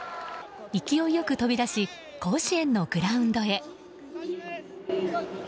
勢いよく飛び出し甲子園のグラウンドに。